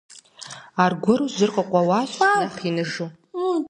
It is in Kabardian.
Аргуэру жьыр къыкъуэуащ, нэхъ иныжу.